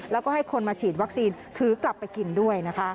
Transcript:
แล้วก็ให้คนมาฉีดวัคซีนถือกลับไปกินด้วยนะคะ